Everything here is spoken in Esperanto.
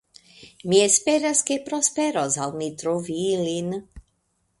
Mi esperas, ke prosperos al mi trovi ilin.